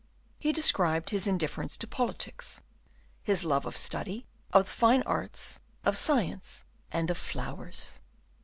He described his indifference to politics, his love of study, of the fine arts, of science, and of flowers.